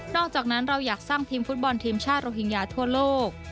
อกจากนั้นเราอยากสร้างทีมฟุตบอลทีมชาติโรฮิงญาทั่วโลก